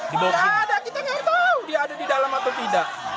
kita nggak tahu dia ada di dalam atau tidak